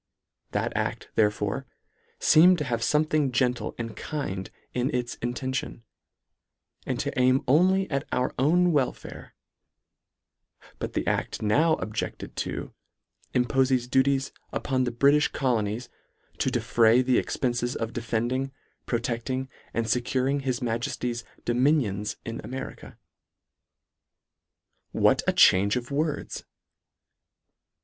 That a£t therefore feemed to have fomething gentle and kind in its intention, and to aim only at our own wel fare : But the adl: now objected to, impofes duties upon the Britiih colonies, " to defray the expences of defending, protecting and fecuringhis Majefty'sdominionsin America." What a change of words